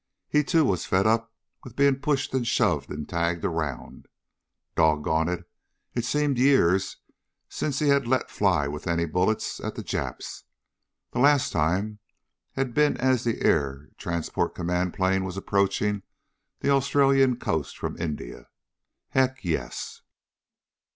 He, too, was fed up with being pushed and shoved and tagged around. Doggone it, it seemed years since he had let fly with any bullets at the Japs. The last time had been as that Air Transport Command plane was approaching the Australian coast from India. Heck, yes!